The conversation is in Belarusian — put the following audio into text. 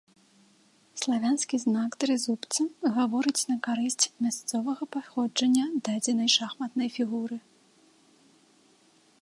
Славянскі знак трызубца гаворыць на карысць мясцовага паходжання дадзенай шахматнай фігуры.